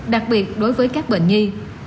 đặc biệt đối với các bệnh nhi